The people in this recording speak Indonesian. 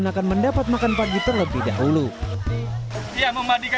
nisatawan dapat saling siruk dan menghilangkan lumpur lumpur yang tadi sempat digunakan